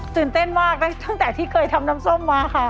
ตื่นเต้นมากตั้งแต่ที่เคยทำน้ำส้มมาค่ะ